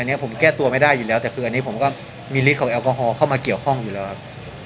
อันนี้ผมแก้ตัวไม่ได้อยู่แล้วแต่คืออันนี้ผมก็มีฤทธิของแอลกอฮอลเข้ามาเกี่ยวข้องอยู่แล้วครับ